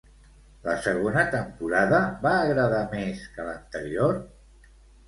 La segona temporada va agradar més que l'anterior?